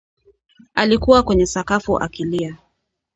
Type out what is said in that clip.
Alikuwa kwenye sakafu akilia